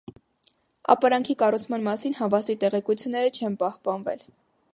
Ապարանքի կառուցման մասին հավաստի տեղեկություններ չեն պահպանվել։